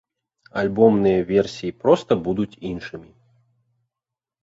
Альбомныя версіі проста будуць іншымі.